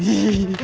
cincinnya tuh pok